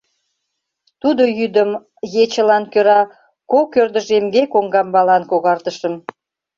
Тудо йӱдым ечылан кӧра кок ӧрдыжемге коҥгамбалан когартышым.